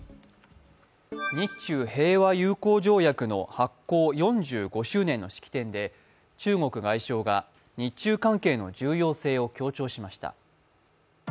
日中平和友好条約の発効４５周年の式典で中国外相が日中関係の重要性を強調しました。